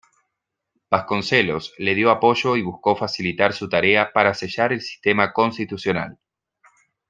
Vasconcelos le dio apoyo y buscó facilitar su tarea para sellar el sistema constitucional.